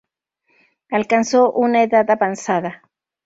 Alcanzó una edad avanzada.